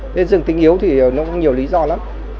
với dương tính yếu thì nó có nhiều lý do lắm